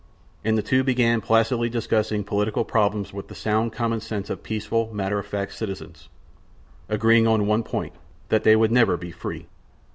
And the two began placidly discussing political problems with the sound common sense of peaceful, matter of fact citizens—agreeing on one point: that they would never be free.